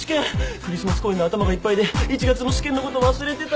クリスマス公演で頭がいっぱいで１月の試験のこと忘れてた！